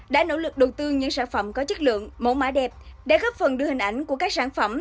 đã nỗ lực đầu tư những sản phẩm có chất lượng mẫu mã đẹp để góp phần đưa hình ảnh của các sản phẩm